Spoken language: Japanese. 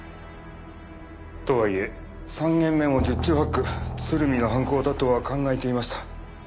とはいえ３件目も十中八九鶴見の犯行だとは考えていました。